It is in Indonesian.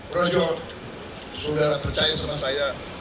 sudara percaya sama saya